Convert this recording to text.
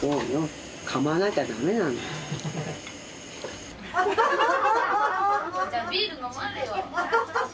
じゃあビール飲まれよ。